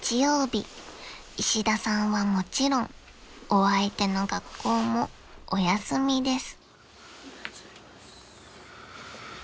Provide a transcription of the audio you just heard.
［石田さんはもちろんお相手の学校もお休みです］